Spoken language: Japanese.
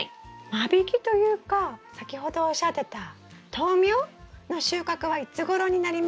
間引きというか先ほどおっしゃってた豆苗の収穫はいつごろになりますか？